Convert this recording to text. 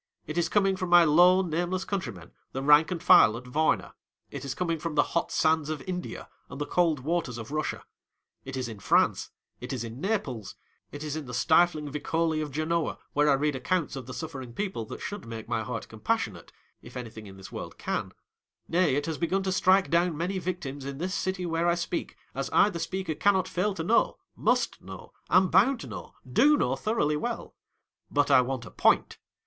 It is coming from my low, nameless countrymen, the rank and file at Varna ; it is coming from the hot sands of India, and the cold waters of Russia ; it is in France ; it is in Naples ; it is in the stifling Vicoli of Genoa, where I read accounts of the suffering people that should make my heart compassionate, if anything in this world can ; nay, it has begun to strike down many victims in this city where I speak, as I the speaker cannot fail to know — must know — am bound to know — do know thoroughly well. But I want a point.